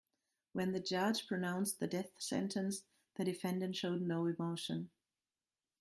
When the judge pronounced the death sentence, the defendant showed no emotion.